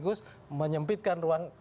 harus menyempitkan ruang